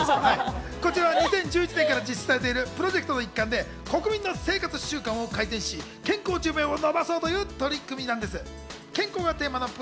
こちらは２０１１年から実施されているプロジェクトの一環で、国民の生活習慣を改善し、健康寿命をのばそうという取り組みなんです。